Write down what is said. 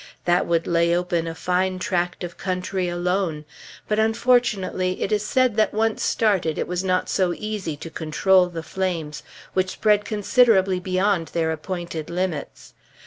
That would lay open a fine tract of country, alone; but unfortunately, it is said that once started, it was not so easy to control the flames, which spread considerably beyond their appointed limits.